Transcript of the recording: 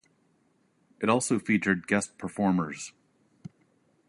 It also featured guest performers.